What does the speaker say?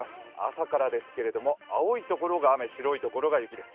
朝からですけれども青い所が雨、白い所が雪です。